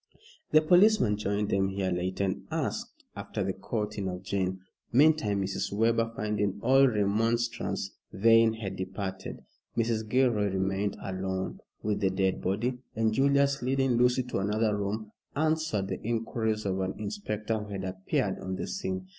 The policeman joined them here later, and asked after the courting of Jane. Meantime Mrs. Webber, finding all remonstrance vain, had departed. Mrs. Gilroy remained alone with the dead body, and Julius, leading Lucy to another room, answered the inquiries of an inspector who had appeared on the scene.